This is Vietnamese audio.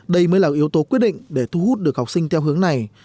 đây mới là yếu tố quyết định để thu hút được học sinh theo hướng này